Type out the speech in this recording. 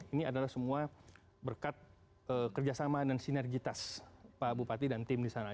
ini adalah semua berkat kerjasama dan sinergitas pak bupati dan tim di sana